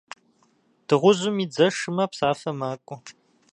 Дыгъужьым и дзэ шымэ псафэ макӏуэ.